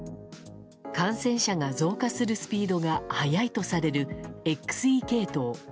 感染者が増加するスピードが速いとされるＸＥ系統。